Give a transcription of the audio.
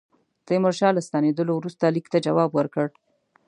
تیمورشاه له ستنېدلو وروسته لیک ته جواب ورکړ.